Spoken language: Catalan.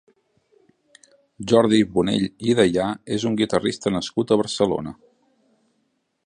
Jordi Bonell i Deià és un guitarrista nascut a Barcelona.